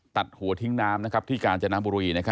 ตัดหัวทิ้งน้ำที่กาญจนบุรี